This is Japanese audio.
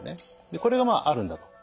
でこれがまああるんだと。